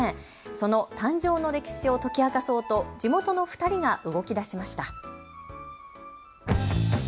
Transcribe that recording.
その誕生の歴史を解き明かそうと地元の２人が動きだしました。